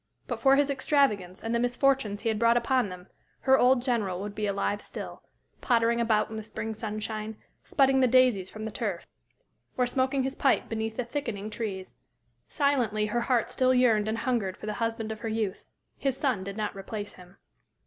But for his extravagance, and the misfortunes he had brought upon them, her old general would be alive still pottering about in the spring sunshine, spudding the daisies from the turf, or smoking his pipe beneath the thickening trees. Silently her heart still yearned and hungered for the husband of her youth; his son did not replace him.